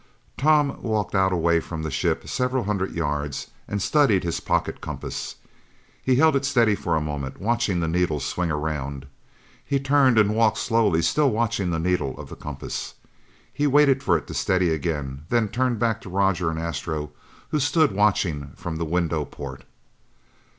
Tom walked out away from the ship several hundred yards and studied his pocket compass. He held it steady for a moment, watching the needle swing around. He turned and walked slowly still watching the needle of the compass. He waited for it to steady again, then turned back to Roger and Astro who stood watching from the window port.